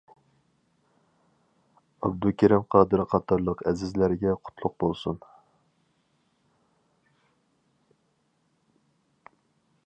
ئابدۇكېرىم قادىر قاتارلىق ئەزىزلەرگە قۇتلۇق بولسۇن!